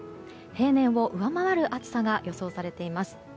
平年を上回る暑さが予想されています。